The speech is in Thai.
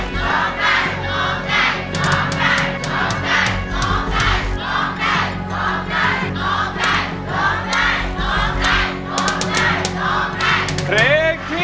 น้องพ่อสิให้นำบอก